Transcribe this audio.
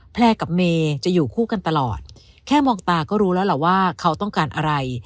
แลกับเมย์จะอยู่คู่กันตลอดแค่มองตาก็รู้แล้วล่ะว่าเขาต้องการอะไร